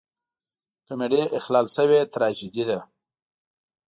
کمیډي اخلال شوې تراژیدي ده.